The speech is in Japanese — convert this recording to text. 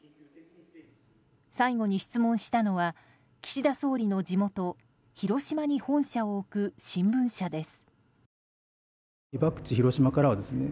最後に質問したのは岸田総理の地元・広島に本社を置く新聞社です。